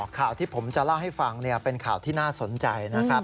ข่าวที่ผมจะเล่าให้ฟังเป็นข่าวที่น่าสนใจนะครับ